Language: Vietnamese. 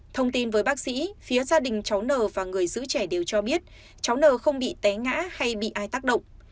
thông tin với bác sĩ phía gia đình cháu n và người giữ trẻ đều cho biết cháu n không bị té ngã hay bị ai tác động